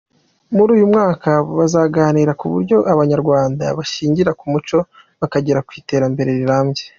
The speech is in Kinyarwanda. Muri uyu mwaka bazaganira ku buryo Abanyarwanda bashingira ku muco bakagera ku iterambere rirambye.